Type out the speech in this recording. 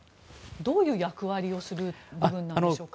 どういう役割をする部分なんでしょうか。